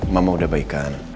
mama udah baikan